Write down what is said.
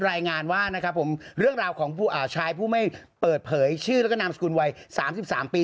รายงานว่านะครับผมเรื่องราวของผู้ชายผู้ไม่เปิดเผยชื่อแล้วก็นามสกุลวัย๓๓ปี